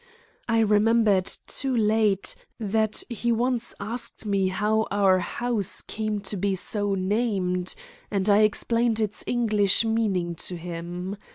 I remembered, too late, that he once asked me how our house came to be so named, and I explained its English meaning to him.